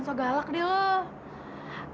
gue tau lo pasti lagi sedih kan